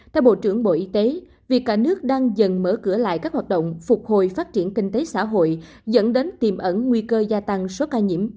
theo bộ trưởng bộ y tế việc cả nước đang dần mở cửa lại các hoạt động phục hồi phát triển kinh tế xã hội dẫn đến tiềm ẩn nguy cơ gia tăng số ca nhiễm